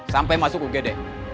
sampai masuk ugd